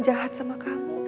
hanya dia sebikep